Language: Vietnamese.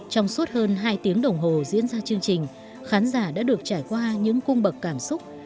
trong suốt hơn hai tiếng đồng hồ diễn ra chương trình khán giả đã được trải qua những cung bậc cảm xúc